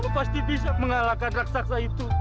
gue pasti bisa mengalahkan raksasa itu